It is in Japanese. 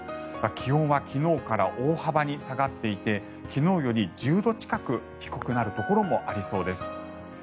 気温は昨日から大幅に下がっていて昨日より１０度近く低くなるところもありそうです。